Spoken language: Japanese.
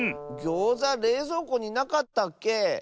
ギョーザれいぞうこになかったっけ？